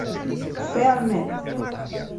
Fer el met.